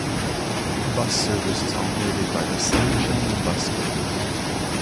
Bus service is operated by the Sunshine Bus Company.